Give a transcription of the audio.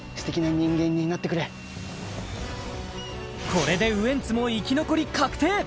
これでウエンツも生き残り確定